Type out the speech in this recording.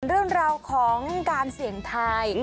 เรื่องราวของการเสี่ยงทาย